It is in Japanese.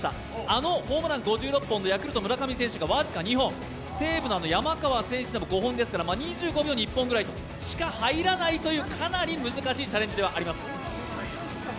あのホームラン５６本のヤクルト・村上選手が僅か２本、西武の山川選手でも５本ですから２５秒に１本くらいしか入らないという、かなり難しいチャレンジではあります。